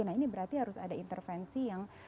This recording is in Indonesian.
nah ini berarti harus ada intervensi yang